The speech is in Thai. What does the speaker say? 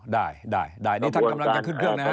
ได้ได้นี่ท่านกำลังจะขึ้นเครื่องนะฮะ